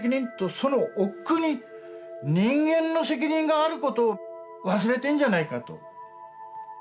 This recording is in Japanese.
その奥に人間の責任があることを忘れてんじゃないかと。